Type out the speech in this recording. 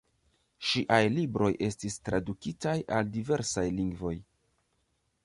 Ŝiaj libroj estis tradukitaj al diversaj lingvoj.